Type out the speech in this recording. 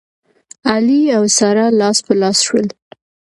علي او ساره لاس په لاس شول.